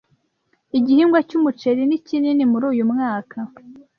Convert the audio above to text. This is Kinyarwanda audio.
Igihingwa cy'umuceri ni kinini muri uyu mwaka.